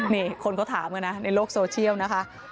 นี่คนเขาถามกันนะในโลกโซเชียลนะคะ